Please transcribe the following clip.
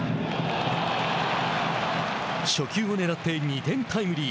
初球を狙って２点タイムリー。